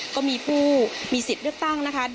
ก็มีผู้มีสิทธิ์เลือกตั้งนะคะ